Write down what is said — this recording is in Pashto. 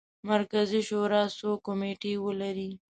مرکزي شورا څو کمیټې ولري.